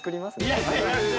◆いやいやいや。